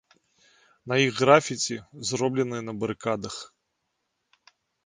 На іх графіці, зробленыя на барыкадах.